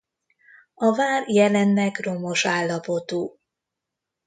A vár jelenleg romos állapotú.